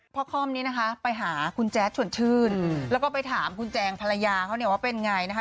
คอมนี้นะคะไปหาคุณแจ๊ดชวนชื่นแล้วก็ไปถามคุณแจงภรรยาเขาเนี่ยว่าเป็นไงนะคะ